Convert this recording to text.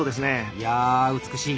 いや美しい。